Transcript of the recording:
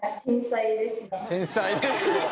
天才ですね。